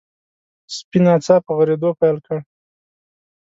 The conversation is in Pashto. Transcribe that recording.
سپي ناڅاپه غريدو پيل کړ.